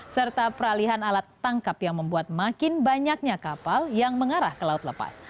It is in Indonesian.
serta peralihan alat tangkap yang membuat makin banyaknya kapal yang mengarah ke laut lepas